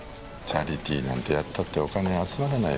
チャリティーなんてやったってお金集まらないもの。